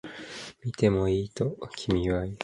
見てもいい？と君は言う